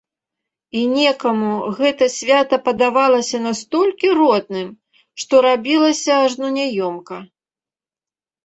І некаму гэтае свята падавалася настолькі родным, што рабілася ажно няёмка.